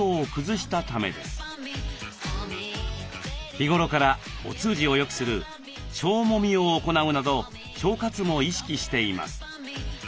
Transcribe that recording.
日頃からお通じをよくする「腸もみ」を行うなど腸活も意識しています。